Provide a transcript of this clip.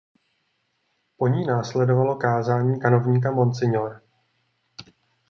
Po ní následovalo kázání kanovníka Msgre.